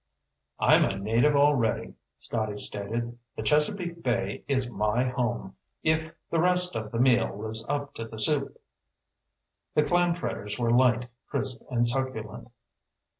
"I'm a native already," Scotty stated. "The Chesapeake Bay is my home, if the rest of the meal lives up to the soup." The clam fritters were light, crisp, and succulent.